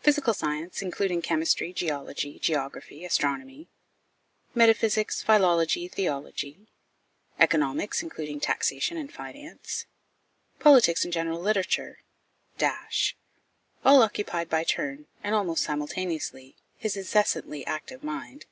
Physical Science, including Chemistry, Geology, Geography, Astronomy; Metaphysics, Philology, Theology; Economics, including Taxation and Finance; Politics and General Literature all occupied by turn, and almost simultaneously, his incessantly active mind.